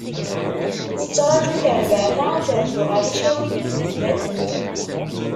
Tetturaǧu terbaɛt-a, ad terzu ɣer Yicawiyen di Tbatent.